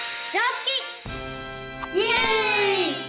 イエイ！